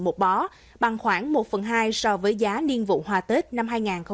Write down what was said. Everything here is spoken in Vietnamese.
một bó bằng khoảng một phần hai so với giá niên vụ hoa tết năm hai nghìn hai mươi